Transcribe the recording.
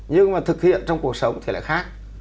nhưng mà thực hiện trong cuộc sống thì lại khác